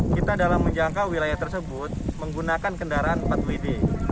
kita dalam menjangkau wilayah tersebut menggunakan kendaraan empat wd